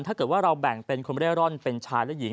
ถ้าเกิดว่าเราแบ่งเป็นคนเร่ร่อนเป็นชายและหญิง